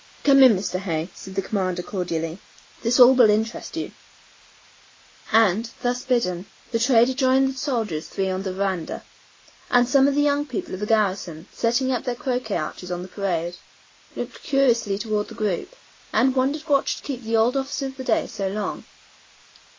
"Come in, Mr. Hay," said the commander, cordially. "This all will interest you," and, thus bidden, the trader joined the soldiers three on the veranda, and some of the young people of the garrison, setting up their croquet arches on the parade, looked curiously toward the group, and wondered what should keep the old officer of the day so long.